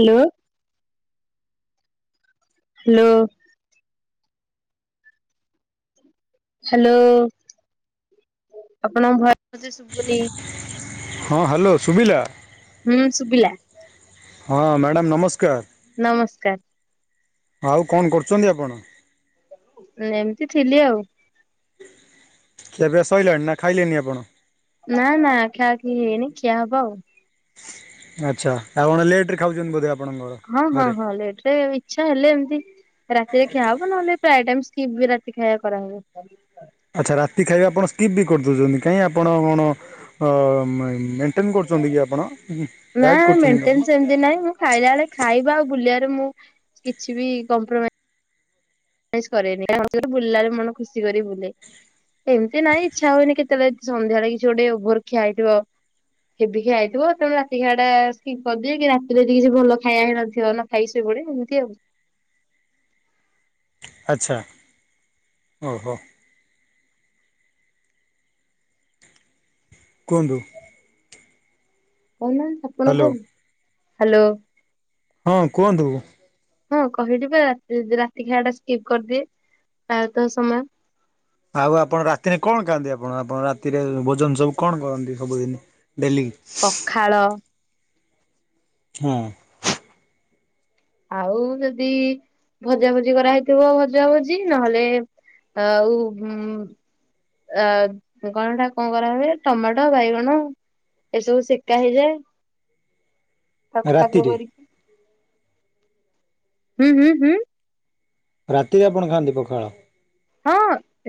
Hello. Hello. Hello ଆପଣଙ୍କ ଭଏସେ ଶୁବୁନି। ହଁ ହାଲୋ ସୁବିଲା? ହୁଁ ଶୁବିଲା। ହଁ ମାଡାମ୍ ନମସ୍କାର। ନମସ୍କାର। ଆଉ କଣ କରୁଛନ୍ତି ଆପଣ? ଏମିତି ଥିଲି ଆଉ। ଖିଆ ପିଆ ସାଆଇଲାଣି ନା ଖାଇଲେନି ଆପଣ? ନା ନା ଖିଆ ଖୀ ହେଇନି ଖିଆ ହବ ଆଉ। ଆଚ୍ଛା ଆପଣ ଲେଟ୍ ରେ ଖାଉଛନ୍ତି ବୋଧେ ଆ ହଁ ହଁ ହଁ ଲେଟ ରେ [unintelligible] ଇଚ୍ଛା ହେଲେ ଏମିତି ରାତିରେ ଖିଆ ହବ ନହେଲେ ପ୍ରାୟ ଟାଇ ସ୍କିପ୍ ବି ରାତି ଖାଇବା କରା ହବ। ଆଚ୍ଛା ରାତି ଖାଇବା ଆପଣ ସ୍କିପ୍ ବି କରି ଦଉଛନ୍ତି କାଇଁ ଆପଣ କଣ? ଅ ମଇ ମେଣ୍ଟେନ୍ କରୁଛନ୍ତି କି ଆପଣ? ନା ଡାଏଟ୍ କରୁଛନ୍ତି ଆପଣ ମେଣ୍ଟେନ୍ ସେମିତି ନାଇଁ ମୁଁ ଖାଇଲା ବେଳେ ଖାଇବା ଆଉ ବୁଲିବାରେ ମୁଁ କିଛି ବି କମ୍ପ୍ରୋମା ଆଇସ୍ କରେନି [inaudible] ବୁଲିଲା ବେଳେ ମନ ଖୁସି କରି ବୁଲେ। ଏମିତି ନାଇଁ ଇଚ୍ଛା ହୁଏନି କେତେବେଳେ ସନ୍ଧ୍ୟାବେଳେ କିଛି ଗୋଟେ ଓଭର ଖିଆ ହେଇଥିବ। ହେବି ଖିଆ ହେଇଥିବ ତେଣୁ ରାତି ଖାଇବା ଟା ସ୍କିପ୍ କରିଦିଏ କି ରାତିରେ ଯଦି କିଛି ଭଲ ଖାଇବା ହେଇ ନଥିବ ନ ଖାଇକି ଶୋଇପଡ଼େ ଏମିତି ଆଉ। ଆଚ୍ଛା ଓହୋ। କୁହନ୍ତୁ। କହୁନାହାନ୍ତି ଆପଣ ହ୍ୟାଲୋ କୁହନ୍ତୁ ହାଲୋ। ହଁ କୁହନ୍ତୁ। ହଁ କହିଲି ବା [unintelligible] ରାତିକି ଖାଇବା ଟା ସ୍କିପ୍ କରିଦିଏ ପ୍ରାୟତଃ ସମୟ। ଆଉ ଆପଣ ରାତିରେ କଣ ଖାଆନ୍ତି ଆପଣ ଆପଣ ରାତିରେ ଭୋଜନ ସବୁ କଣ କରନ୍ତି ସବୁଦିନି? ଡେଲି। ଖାଳ। ହଁ। ଆଉ ଯଦି ଭଜା ଭଜି କରାହେଇଥିବ ଭଜା ଭଜି ନହେଲେ ଆଉ ଗୁଁ ଆ କଣ ହେଟା କଣ କରାହୁଏ ଟମାଟ ବାଇଗଣ ଏସବୁ ସେକା ହେଇଯାଏ ତାକୁ ପାଗ ରାତିରେ କରିକି ହୁଁ ହୁଁ ହୁଁ। ରାତିରେ ଆପଣ ଖାଆନ୍ତି ପଖାଳ? ହଁ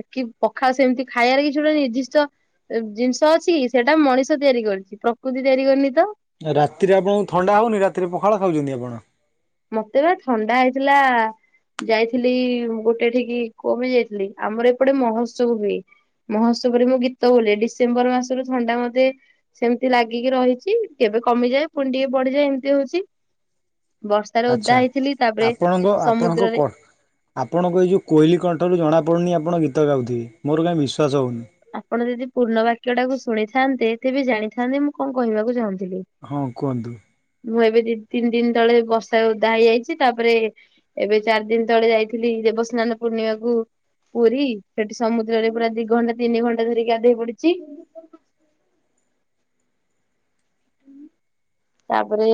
ଏ କି ପଖାଳ ସେମିତି ଖାଇବାରେ କିଛି ଗୋଟେ ନିର୍ଦିଷ୍ଟ ଜିନିଷ ଅଛି କିସେଟା ମଣିଷ ତିଆରି କରିଛି ପ୍ରକୃତି ତିଆରି କରିନି ତ। ରାତିରେ ଆପଣଙ୍କୁ ଥଣ୍ଡା ହୋଉନି ରାତିରେ ପଖାଳ ଖାଉଛନ୍ତି ଆପଣ? ମତେ ବା ଥଣ୍ଡା ହେଇଥିଲା ଯାଇଥିଲି ଗୋଟେ ଏଠିକି କଁ ପାଇଁ ଯାଇଥିଲି ଆମର ଏପଟେ ମହୋତ୍ସବ ହୁଏ। ମହୋତ୍ସବରେ ମୁଁ ଗୀତ ବୋଲେ ଡିସେମ୍ବର ମାସରୁ ଥଣ୍ଡା ମତେ ସେମିତି ଲାଗିକି ରହିଛି କେବେ କମିଯାଏ ପୁଣି ଟିକେ ବଢିଯାଏ ଏମିତି ହୋଉଛି। ଆଚ୍ଛା ତାପରେ ଆପଣଙ୍କ ଆପଣଙ୍କ ସମୁଦ୍ରରେ କ ଆପଣଙ୍କୁ ଏଇ ଯୋଉ କୋଇଲି କଣ୍ଠରୁ ଜଣାପଡ଼ୁନି ଆପଣ ଗୀତ ଗାଉଥିବେ ମୋର କାଇଁ ବିଶ୍ୱାସ ହୋଉନି। ଆପଣ ଯଦି ପୂର୍ଣ୍ଣ ବାକ୍ୟ ଟାକୁ ଶୁଣିଥାନ୍ତେ ତେବେ ଜାଣିଥାନ୍ତେ ମୁଁ କଣ କହିବାକୁ ଚାହୁଁଥିଲି। ହଁ କୁହନ୍ତୁ। ମୁଁ ଏବେ ଦି ତିନି ଦିନ୍ ତଳେ ବର୍ଷା ଓଦା ହେଇଯାଇଛି ତାପରେ ଏବେ ଚାରି ଦିନ ତଳେ ଯାଇଥିଲି ଦେବସ୍ନାନ ପୂର୍ଣ୍ଣିମାକୁୁ ପୁରୀ ସେଠି ସମୁଦ୍ରରେ ପୁରା ଦି ଘଣ୍ଟା ତିନି ଘଣ୍ଟା ଧରି ଗାଧେଇ ପଡ଼ିଛି ତାପରେ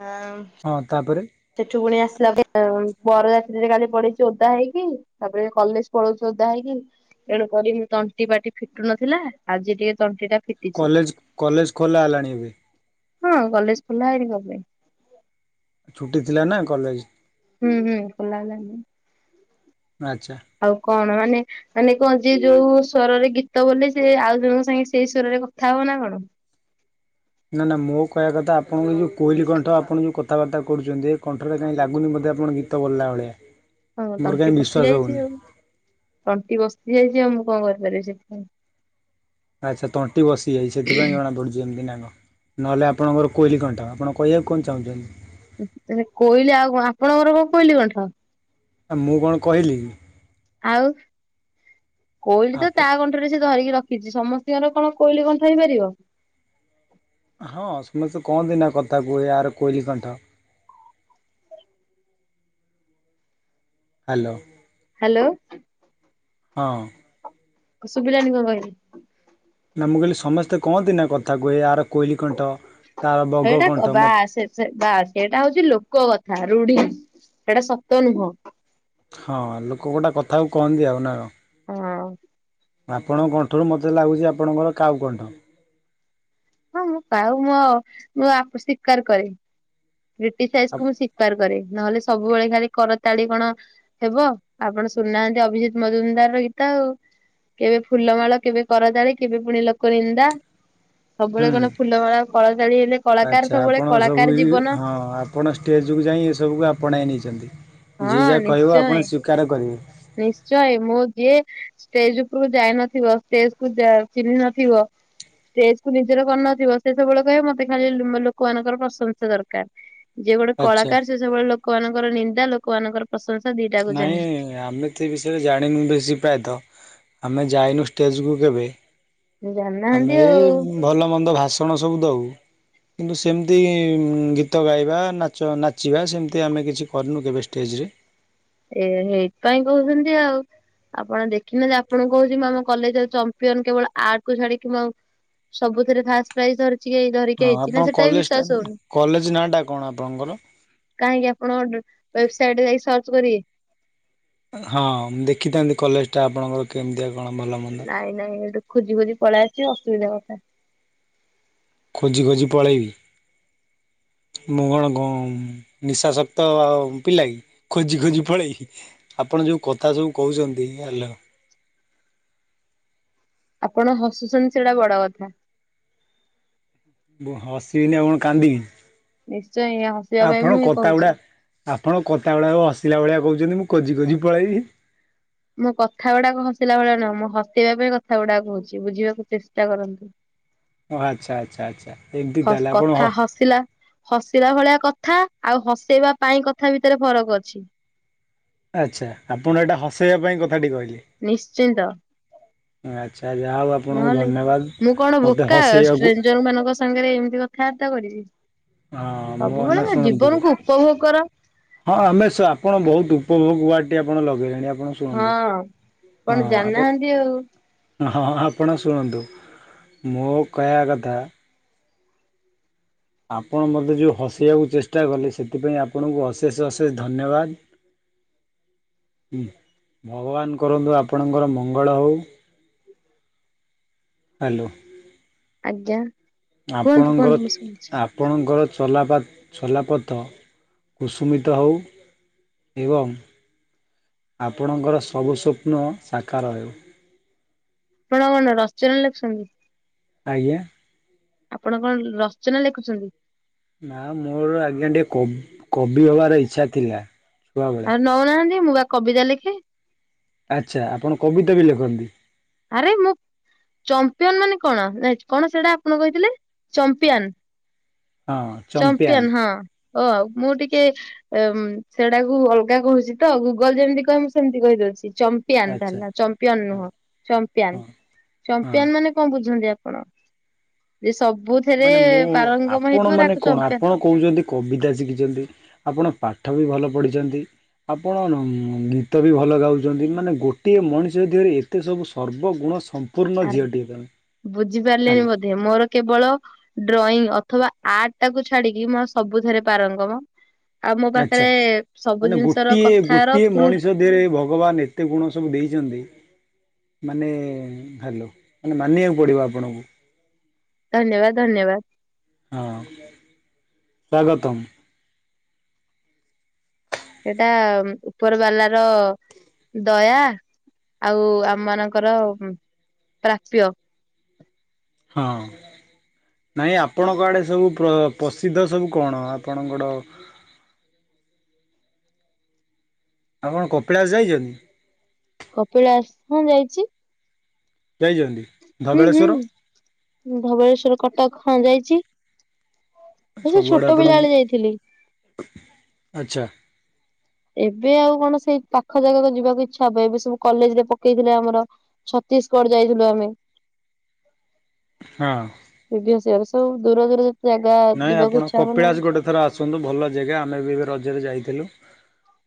ଆଁ ହଁ ତାପରେ। ସେଠୁ ପୁଣି ଆସିଲା [inaudible] ବରଯାତ୍ରୀରେ କାଲି ପଡେଇଚି ଓଦା ହେଇକି। ତାପରେ କଲେଜ୍ ପଳଉଛୁ ଓଦା ହେଇକି। ତେଣୁ କରି ମୁଁ ତଣ୍ଟି ପାଟି ଫିଟୁ ନଥିଲା ଆଜି ଟିକେ ତଣ୍ଟି ଟା ଫି କଲେଜ୍ କଲେଜ୍ ଖୋଲା ହେଲାଣି ଏବେ। ହଁ କଲେଜ୍ ଖୋଲା ହେଇକି ଗଲେଣି। ଛୁଟି ଥିଲା ନା କଲେଜ୍। ହୁଁ, ହୁଁ ଖୋଲା ହେଲାଣି। ଆଚ୍ଛା। ଆଉ କଣ ମାନେ ମାନେ କଣ ଯିଏ ଯୋଉ ସ୍ୱରରେ ଗୀତ ବୋଲେ ସିଏ ଆଉ ଜଣଙ୍କ ସାଙ୍ଗେ ସେଇ ସ୍ବରରେ କଥା ହବ ନା କଣ। ନା ନା ମୋ କହିବା କଥା ଆପଣଙ୍କ ଯୋଉ କୋଇଲି କଣ୍ଠ। ଆପଣ ଯୋଉ କଥାବାର୍ତ୍ତା କରୁଚନ୍ତି, ଏ କଣ୍ଠରେ କାଇଁ ଲାଗୁନି ବୋଧେ ଆପଣ ଗୀ ତ ବୋଲିଲା ଭଳିଆ। ହଁ ମୋର କାହିଁ ତଣ୍ଟି ବସିି ବିଶ୍ୱାସ ଯାଇଛି ହଉନି ଆଉ। ତଣ୍ଟି ବସି ଯାଇଚି ଆଉ ମୁଁ କଣ କରିପାରିବି ସେଥିପାଇଁ। ଆଚ୍ଛା ତଣ୍ଟି ବସିଯାଇଛି ସେଥିପାଇଁ ଜଣାପଡ଼ୁଚି ଏମିତି ନା କଣ? ନହେଲେ ଆପଣଙ୍କର କୋଇଲି କଣ୍ଠ ଆପଣ କହିବାକୁ କଣ ଚାହୁଁଚନ୍ତି? ହେ କୋଇଲି ଆଉ କଣ ଆପଣଙ୍କର କଣ କୋଇଲିି କଣ୍ଠ? ଏ ମୁଁ କଣ କହିଲି କି। ଆଉ କୋଇଲି ତ ଆପ ତା କଣ୍ ସେଟାରେ ସେ ଧରିକି ରଖିଚି। ସମସ୍ତିଙ୍କର କଣ କୋଇଲି କଣ୍ଠ ହେଇପାରିବ? ହଁ ସମସ୍ତେ କହନ୍ତି ନା କଥା କୁହେ ଆର କୋଇଲି କଣ୍ଠ। ହାଲୋ। ହାଲୋ। ହଁ। ତ ଶୁଭିଲାନି କଣ କହିଲି। ନା ମୁଁ କହିଲି ସମସ୍ତେ କହନ୍ତି ନା କଥା କୁହେ ଆର କୋଇଲି କଣ୍ଠ। ତାର ବଗ ସେଇଟା କଣ୍ଠ କବା ମ ସେ ସେ ବାସ୍ ସେଇଟା ହଉଚି ଲୋକ କଥା, ରୁଢି ସେଟା ସତ ନୁହଁ। ହଁ ଲୋକ ଗୋଟେ କଥାକୁ କହନ୍ତି ଆଉ ନା କଣ। ହଁ, ନା। ଆପଣଙ୍କ କଣ୍ଠରୁ ମୋତେ ଲାଗୁଚି ଆପଣଙ୍କର କାଉ କଣ୍ଠ। ହଁ ମୁଁ କାଉ ମୋ ମୁଁ ଆ, ଶିକାର କରେ କ୍ରିଟିସାଇଜ କୁ ମୁଁ ଶି କାର କରେ। ନହେଲେ ସବୁବେଳେ ଖାଲି କରତାଳି କଣ ହେବ ଆପଣ ଶୁଣି ନାହାନ୍ତି ଅଭିଜିତ ମଜୁମଦାର ର ଗୀତ ଆଉ। କେବେ ଫୁଲମାଳ, କେବେ କରତାଳି, କେବେ ପୁଣି ଲୋକ ନିନ୍ଦା। ହୁଁ, ସବୁବେଳେ କଣ ଫୁଲମାଳ କଳାତାଳି ହେଲେ କଳାକାର ଆଚ୍ଛା ସବୁବେଳେ ଆପଣ କଳାକାର ସବୁ କିଛି ଜୀବନ। ହଁ ଆ ଆପଣ ଷ୍ଟେଜ୍ କୁ ଯାଇଁ ଏସବୁକୁ ଆପଣାଇ ନେଇଛନ୍ତି। ଯିଏ ହଁ ଯାହା କହିବ ନିଶ୍ଚୟ ଆପଣ ସ୍ୱୀକାର କରିବେ। ନିଶ୍ଚୟ, ମୁଁ ଯିଏ ଷ୍ଟେଜ୍ ଉପରକୁ ଯାଇନଥିବ। ଷ୍ଟେଜ୍ କୁ ଯା- ଚିହ୍ନି ନଥିବ। ଷ୍ଟେଜ୍ କୁ ନିଜର କରିନଥିବ ସେ ସବୁବେଳେ କହିବ ମୋତେ ଖାଲି ଉଁ, ଲୋକମାନଙ୍କର ପ୍ରଶଂସା ଦରକାର। ଯିଏ ଗୋଟେ ଆଚ୍ଛା କଳାକାର ସେ ସବୁବେଳେ ଲୋକମାନଙ୍କର ନିନ୍ଦା, ଲୋକମାନଙ୍କର ପ୍ରଶଂସା ଦିଟା ନାଇଁ ଏ ଆମେ ସେ ବିଷୟରେ ଜାଣିନୁ ବେଶୀ ପ୍ରାୟତଃ। ଆମେ ଯାଇନୁ ଷ୍ଟେଜ୍ କୁ କେବେ। ଜାଣିନାହାନ୍ତି ଆମେ ଏ ଆଉ ଭଲ ମନ୍ଦ ଭାଷଣ ସବୁ ଦଉ। କିନ୍ତୁ ସେମିତି ଉଁ, ଗୀତ ଗାଇବା, ନାଚ ନାଚିବା, ସେମିତି ଆମେ କିଛି କରିନୁ କେବେ ଷ୍ଟେଜ୍ ରେ। ଏ ହେଇଥିପାଇଁ କହୁଛନ୍ତି ଆଉ। ଆପଣ ଦେଖି ନାହାନ୍ତି, ଆପଣଙ୍କୁ କହୁଛି ମୁଁ ଆମ କଲେଜ୍ ର ଚମ୍ପିୟାନ କେବଳ ଆର୍ କୁ ଛାଡିକି ମୁଁ ଆଉ। ସବୁଥିରେ ଫାଷ୍ଟ ପ୍ରାଇଜ୍ ଧରିଛି ଏ ହଁ ଆପଣଙ୍କ କଲେଜ୍ ଟା, କଲେଜ୍ ନାଁ ଟା କଣ ଆପଣଙ୍କର? କାହିଁକି ଆପଣ ଡୁ-ୱେବସାଇଟ୍ ରେ ଯାଇକି ସର୍ଚ୍ଚ କରିବେ? ହଁ ମୁଁ ଦେଖିଥାନ୍ତି କଲେଜ୍ ଟା ଆପଣଙ୍କର କେମିତିଆ କଣ ଭଲ ମନ୍ଦ। ନାଇଁ ନାଇଁ ଏଠୁ ଖୋଜି ଖୋଜି ପଳେଇ ଆଇଛୁ ଅସୁବିଧା କଥା। ଖୋଜି ଖୋଜି ପଳେଇବି। ମୁଁ କଣ କ ନିଶା ଶକ୍ତ ଆଉ ପିଲା କି ଖୋଜି ଖୋଜି ପଳେଇବି। ଆପଣ ଯେଉଁ କଥା ସବୁ କହୁଛନ୍ତି ହ୍ୟାଲୋ। ଆପଣ ହସୁଛନ୍ତି ସେଇଟା ବଡ କଥା। ମୁଁ ହସିବିିନି ଆଉ କଣ କାନ୍ଦିବି। ନିଶ୍ଚୟ ଇଏ ହସିବା ପାଇଁ ମୁଁ ହିଁ କହୁଛି। ଆପଣ କଥାଗୁଡ଼ାକ ହସିଲା ଭଳିଆ କହୁଛନ୍ତି ମୁଁ କୋଜି କୋଜି ପଳେଇବି। ମୋ କଥା ଗୁଡାକ ହସିଲା ବେଳେ ନ ମୁଁ ହସେଇବା ପାଇଁ କଥା ଗୁଡାକ କହୁଛି ବୁଝିବାକୁ ଚେଷ୍ଟା କରନ୍ତୁ। ଓ ଆଚ୍ଛା ଆଚ୍ଛା ଆଚ୍ଛା ଏମିତି ତାହାଲେ ଆପଣ ହଁ। ଆସିଲା। ହସିଲା ଭଳିଆ କଥା ଆଉ ହସେଇବା ପାଇଁ କଥା ଭିତରେ ଫରକ ଅଛି। ଆଚ୍ଛା ଆପଣ ଏଇଟା ହସେଇବା ପାଇଁ କଥାଟି କହିଲେ। ନିଶ୍ଚିନ୍ତ। ଆଚ୍ଛା ଯାହା ହଉ ଆପଣଙ୍କୁ ନହେଲେ ଧନ୍ୟବାଦ ମତେ ହସେଇବାକୁ। ଯୋଉମାନଙ୍କ ସାଙ୍ଗରେ ଏମିତି କଥାବାର୍ତ୍ତା କରିବି। ହଁ ମୋ ନା ସବୁବେଳେ ଶୁଣନ୍ତୁ ଜୀବନକୁୁ ଉପଭୋଗ କର। ହଁ ଆମେ ଆପଣ ବହୁତ ଉପଭୋଗ ୱାର୍ଡଟି ଆପଣ ଲଗେଇଲେଣି ଆପଣ ଶୁଣନ୍ତୁ ହଁ ହଁ କଣ ଆପଣ ଜାଣିନାହାନ୍ତି ଆଉ। ହଁ ଆପଣ ଶୁଣନ୍ତୁ ମୋ କହିବା କଥା ଆପଣ ମୋତେ ଯେଉଁ ହସେଇବାକୁ ଚେଷ୍ଟା କଲେ ସେଥିପାଇଁ ଆପଣଙ୍କୁ ଅଶେଷ ଅଶେଷ ଧନ୍ୟବାଦ। ହଁ ହୁଁ ଭଗବାନ କରନ୍ତୁ ଆପଣଙ୍କର ମଙ୍ଗଳ ହଉ। ହ୍ୟାଲୋ। ଆଜ୍ଞା କୁହନ୍ତୁ ଆପଣଙ୍କର କୁହନ୍ତୁ ମୁଁ ଶୁଣୁଛି। ଆପଣଙ୍କର ଚଲାପ ଚଲାପଥ କୁସୁମିତ ହଉ। ଏବଂ ଆପଣଙ୍କର ସବୁ ସ୍ୱପ୍ନ ସାକାର ହେଉ। ଆପଣ କଣ ରଚନା ଲେଖୁଛନ୍ତି। ଆଜ୍ଞା। ଆପଣ କଣ ରଚନା ଲେଖୁଛନ୍ତି। ନା ମୋର ଆଜ୍ଞା ଟିକେ କବି ହବାର ଇଚ୍ଛା ଥିଲା ଛୁଆ ଆଉ ନଉନାହାନ୍ତି ମୁଁ ବା କବିତା ଲେଖେ। ଆଚ୍ଛା ଆପଣ କବିତା ବି ଲେଖନ୍ତି। ଆରେ ମୁଁ ଚମ୍ପିୟନ ମାନେ କଣ କଣ ସେଇଟା ଆପଣ କହିଥିଲେ ଚମ୍ପିୟନ। ହଁ ଚମ୍ପିଆନ ଚମ୍ପିୟନ ହଁ ଓ ମୁଁ ଟିକେ ସେଟାକୁ ଅଲଗା କହୁଛି ତ ଗୁଗଲ ଯେମିତି କହ ମୁଁ ସେମିତି କହିଦଉଛି। ଚମ୍ପ ଚମ୍ପିୟାନ ତା ଆଚ୍ଛା ନାଁ ଚମ୍ପିୟନ ହଁ ନୁହଁ ଚମ୍ପିୟାନ ହଁ ହଁ। ଚମ୍ପିୟାନ ମାନେ କଣ ବୁଝନ୍ତି ଆପଣ ଯେ ସବୁଥିରେ ମାନେ ମୁଁ ପାରଙ୍ଗମ ଆପଣ ହେଇଥିବ ତା ମାନେ କଣ ଆପଣ କହୁଛନ୍ତି କବିତା ଶିଖିଛନ୍ତି ଆପଣ ପାଠ ବି ଭଲ ପଢ଼ିଛନ୍ତି। ଆପଣ ଗୀତ ବି ଭଲ ଗାଉଛନ୍ତି ମାନେ ଗୋଟିଏ ମଣିଷ ଦେହରେ ଏତେ ସବୁ ସର୍ବଗୁଣ ପୂର୍ଣ୍ଣ ଝିଅଟେ ହେଇଥାନ୍ତା। ବୁଝି ପାରିଲେନି ବ ଧେ ମୋର କେବଳ ଡ୍ରଇଂ ଅଥବା ଆର୍ଟ ଟାକୁ ଛାଡିକି ମୋର ସବୁଥିରେ ପାରଙ୍ଗମ। ଆଉ ମୋ ଆଚ୍ଛା ପାଖରେ ସବୁ ଜିନିଷ ର କଥାର ପ୍ରୁପ୍ ମଧ୍ୟରେ ଭଗବାନ ନତେ ଗୁଣ ସବୁ ଦେଇଛନ୍ତି। ମାନେ ହ୍ୟାଲୋ ମାନେ ମାନିବାକୁ ପଡ଼ିବ ଆପଣଙ୍କୁ। ଧନ୍ୟବାଦ ଧନ୍ୟବାଦ ହଁ ସ୍ୱାଗତମ୍। ସେଇଟା ଉପର ବାଲାର ଦୟା। ଆଉ ଆମ ମାନଙ୍କର ପ୍ରାପ୍ୟ। ହଁ। ନହିଁ ଆପଣଙ୍କ ଆଡ଼େ ସବୁ ପ୍ରସିଦ୍ଧ ସବୁ କଣ ଆପଣଙ୍କର ଆପଣ କପିଳାସ ଯାଇଛନ୍ତି? କପିଳାସ ହଁ ଯାଇଛି। ଯାଇଛନ୍ତି? ହୁଁ, ଧବଳେଶ୍ୱର ହୁଁ ଧବଳେଶ୍ଵର କଟକ, ହଁ ଯାଇଛି। ସେ ସବୁଆଡ଼େ ଛୋଟ ଆପଣ ପିଲାବେେଳେ ଯାଇଥିଲି। ଆଚ୍ଛା। ଏବେ ଆଉ କଣ ସେଇ ପାଖ ଜାଗାକ ଯିବାକୁ ଇଚ୍ଛା ହବ ଏବେ ସବୁ କଲେଜ ରେ ପକେଇଥିଲେ ଆମର ଛତିଶଗଡ ଯାଇଥିଲୁ ଆମେ। ହଁ। ପ୍ରିଭିଇୟସ୍ ଇଅର୍ ସବୁ ଦୂର ଦୂର ଯେତେ ଜାଗା ଯିବାକୁ ଇଚ୍ଛା ହବନା ଥରେ ଆସନ୍ତୁ ଭଲ ଜାଗା ଆମେ ବି ଏବେ ରଜରେ ଯାଇଥିଲୁ।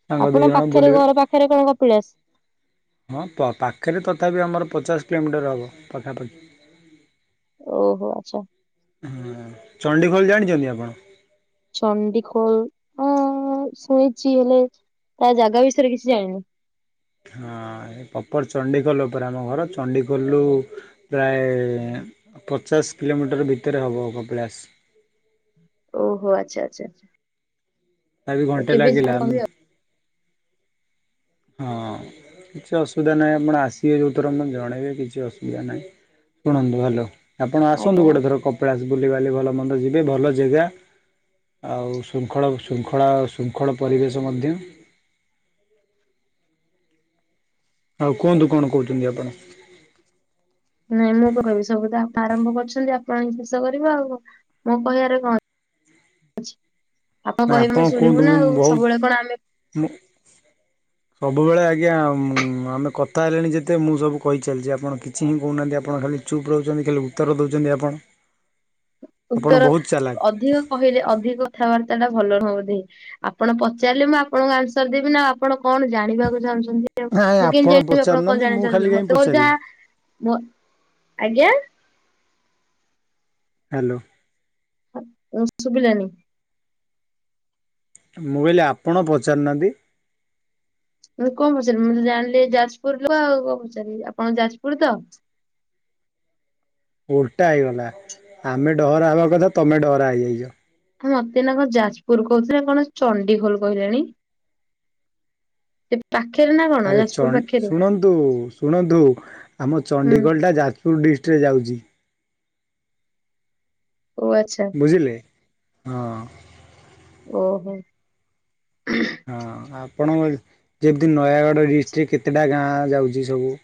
ସାଙ୍ଗ ଦି ଆପଣଙ୍କ ଜଣ ପାଖରେ ବୁଲିବେ ଘର ପାଖରେ କଣ କପିଳ ଆସଛି? ହଁ ପାଖରେ ତଥାପି ଆମର ପଚାଶ କିଲୋମିଟର ହେବ ପାଖାପାଖି। ଓହୋ ଆଚ୍ଛା। ହୁଁ ଚଣ୍ଡିଗୋଲ ଜାଣିଛନ୍ତି ଆପଣ? ଚଣ୍ଡିଖୋଲ ହ ଶୁଣିଛି ହେଲେ ତା ଜାଗା ବିଷୟରେ କିଛି ଜାଣିନି। ହଁ। ପପର ଚଣ୍ଡିଖୋଲ ଉପରେ ଆମ ଘର ଚଣ୍ଡଖୋଲରୁ ପ୍ରାୟ ପଚାଶ କିଲୋମିଟର ଭିତରେ ହେବ କପିଳାସ। ଓହୋ ଆଚ୍ଛା, ଆଚ୍ଛା, ତଥାପି ଆଚ୍ଛା। ଘଣ୍ଟେ କେବେ ଯିବି ଲାଗିଲା କହିବି ଆଉ। ହଁ କିଛି ଅସୁବିଧା ନାହିଁ ଆପଣ ଆସିବେ ଯୋଉଥର ଜଣେଇବେ କିଛି ଅସୁବିଧା ନାହିଁ। ଶୁଣନ୍ତୁ ହାଲୋ। ଆପଣ ଆଜ୍ଞା। ଆସନ୍ତୁ ଗୋଟେ ଥର କପିଳାସ ବୁଲି ବାଲି ଭଲ ମନ୍ଦ ଯିବେ ଭଲ ଜାଗା ଆଉ ଶୃଙ୍ଖଳ ଶୃଙ୍ଖଳା ଶୃଙ୍ଖଳ ପରିବେଶ ମଧ୍ୟ। ଆଉ କୁହନ୍ତୁ କଣ କହୁଛନ୍ତି ଆପଣ? ନାଇଁ ମୁଁ ତ କହିବି ସବୁ ତ ଆପଣ ଆରମ୍ଭ କରିଛନ୍ତି ଆପଣ ଶେଷ କରିବେ ଆଉ ମୋ କହିବାରେ କଣ ଅଛି? ନାଇଁ କହିବେ ଆମେ ଆପଣ ଶୁଣିବୁ କୁହନ୍ତୁ ନା ମୁ ଆଉ ସବୁବେଳେ କଣ ଆମେ ବହୁତ ସବୁବେଳେ ଆଜ୍ଞା ଆମେ କଥା ହେଲେନି ଯେତେ ମୁଁ ସବୁ କହିଚାଲିଛି ଆପଣ କିଛି ହିଁ କୋହୁନାହାନ୍ତି ଆପଣ ଖାଲି ଚୁପ୍ ରହୁଛନ୍ତି ଖାଲି ଉତ୍ତର ଦେଉଛନ୍ତି ଆପଣ। ଆପଣ ଉତ୍ତର ବହୁତ ଚାଲାକ୍। ଅଧିକ କହିଲେ ଅଧିକ କଥାବାର୍ତ୍ତା ଟା ଭଲ ନୁହ ବୋଧେ। ଆପଣ ପଚାରିଲେ ମୁଁ ଆପଣଙ୍କୁ ଆନ୍ସର ଦେବି ନା ଆପଣ କଣ ଜାଣିବାକୁ ଚାହୁଁଛନ୍ତି? ନାଇଁ ମୁଁ କେମିତି ଆପଣ ଜାଣିବି ଆପଣ କଣ ପଚାରୁନାହାନ୍ତି ଜାଣିବାକୁ ମୁଁ ଖାଲି ଚାହୁଁଛନ୍ତି କାହିଁ ମତେ କହିଥିବା ପଚାରିବି ଆଜ୍ଞା। ହାଲୋ। ଶୁଭିଲାନି। ମୁଁ କହିଲି ଆପଣ ପଚାରୁନାହାନ୍ତି? ମୁ କଣ ପଚାରିଲି ମୁଁ ଜାଣିଲି ଯାଜପୁରରୁ ଆଉ କଣ ପଚାରିଲି ଆପଣଙ୍କ ଯାଜପୁର ତ? ଓଲଟା ହେଇଗଲା ଆମେ ଡହରା ହେବା କଥା ତମେ ଡହରା ହେଇଯାଇଛ। ହଁ ମତେ ଏନା କଣ ଯାଜପୁର କହୁଥିଲେ, କଣ ଚଣ୍ଡିଖୋଲ କହିଲେଣି। ସେ ପାଖରେ ନା କଣ ଆରେ ଚ ଯାଜପୁର ପାଖରେ ଶୁଣନ୍ତୁ ଶୁଣନ୍ତୁ ଆମ ହୁଁ। ଚଣ୍ଡିଖୋଲଟା ଯାଜପୁର ଡିଷ୍ଟିକଟରେ ଯାଉଛି। ଓ ଆଚ୍ଛା। ବୁଝିଲେ ହଁ। ଓହୋ। ହଁ ଆପଣଙ୍କ ଯେମିତି ନୟାଗଡ଼ ଡିଷ୍ଟ୍ରିଟ କେତେଟା ଗାଁ ଯାଉଛି ସବୁ।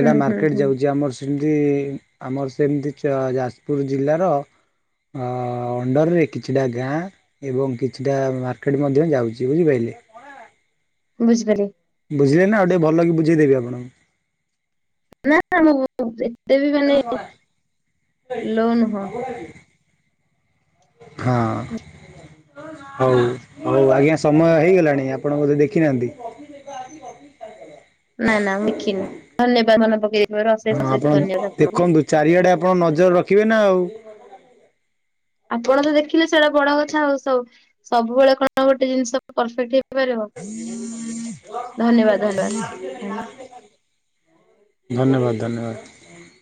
ହୁଁ ହୁଁ ମାର୍କେଟ ହୁଁ ଯାଉଛି, ଆମର ସେମିତି ଆମର ସେମିତି ଯାଜପୁର ଜିଲ୍ଲାର ଅ ଅଣ୍ଡରରେ କିଛିଟା ଗାଁ ଏବଂ କିଛିଟା ମାର୍କେଟ ମଧ୍ୟ ଯାଉଛି ବୁଝିପାରିଲେ। ବୁଝିପାରି ବୁଝିଲେ ନା ଆଉ ଟିକେ ଭଲ କି ବୁଝେଇଦେବି ଆଣଙ୍କୁ? ନା ମୁଁ ଏତେ ବି ମାନେ ଲୋ ନୁହଁ। ହଁ ହଉ ହଉ ଆଜ୍ଞା ସ ସମୟ ହେଇଗଲାଣି ଆପଣ ବୋଧେ ଦେଖିନାହାନ୍ତି। ନା ନା ଦେଖିନି ଧନ୍ୟବାଦ ମନେ ପକେଇ ଦେଇ ଥିବାରୁ ହଁ ଅଶେଷ ଅଶେଷ ଆପଣ ଧନ୍ୟବାଦ ଆପଣଙ୍କୁ। ଦେଖନ୍ତୁ ଚାରିଆଡ଼େ ଆପଣ ନଜର ରଖିବେ ନା ଆଉ। ଆପଣ ତ ଦେଖିଲେ ସେଇଟା ବଡ କଥା ଆଉ ସ ସବୁବେଳେ କଣ ଗୋଟେ ଜିନିଷ ପରଫେକ୍ଟ ହେଇ ଧନ୍ୟବାଦ ଧନ୍ୟବାଦ ଧନ୍ୟବାଦ। [unintelligible] ଧନ୍ୟବାଦ, ଧନ୍ୟବାଦ।